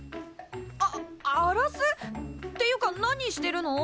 ああらす！？っていうか何してるの？